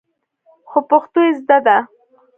خو پښتو يې زده ده.